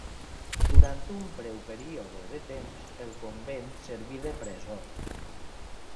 Durant un breu període de temps, el convent serví de presó.